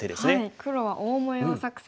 黒は大模様作戦ですね。